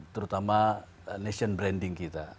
terutama nation branding kita